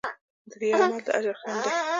د ریا عمل د اجر خنډ دی.